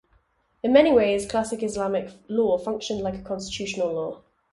In many ways, classical Islamic law functioned like a constitutional law.